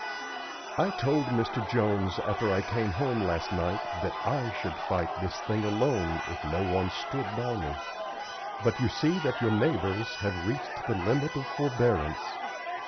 "I told Mr. Jones after I came home last night that I should fight this thing alone if no one stood by me. But you see that your neighbors have reached the limit of forbearance.